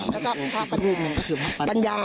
แล้วก็พระก็รูปหนึ่งก็คือพระปัญญา